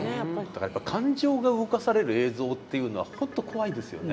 だからやっぱ感情が動かされる映像っていうのは本当怖いですよね。